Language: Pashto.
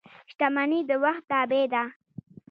• شتمني د وخت تابع ده.